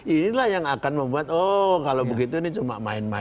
inilah yang akan membuat oh kalau begitu ini cuma main main